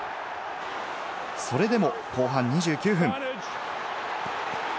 それでも後半２９分。